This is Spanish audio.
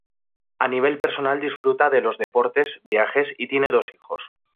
A nivel personal disfruta de los deportes, viajes y tiene dos hijos.